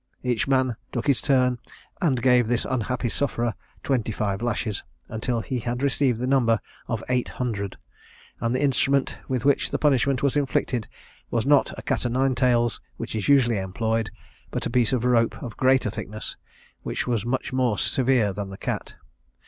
Each man took his turn, and gave this unhappy sufferer twenty five lashes, until he had received the number of eight hundred; and the instrument with which the punishment was inflicted was not a cat o' nine tails, which is usually employed, but a piece of rope of a greater thickness, which was much more severe than the cat.